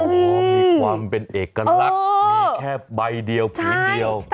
มีความเป็นเอกลักษณ์เออมีแค่ใบเดียวผีเดียวใช่